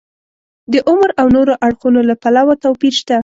د عمر او نورو اړخونو له پلوه توپیر شته.